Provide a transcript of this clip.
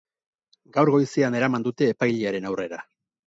Gaur goizean eraman dute epailearen aurrera.